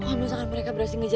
gua gak mau